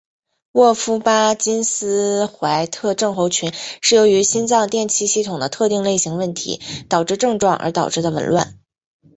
沃夫巴金森怀特症候群是由于心脏电气系统的特定类型问题导致症状而导致的紊乱。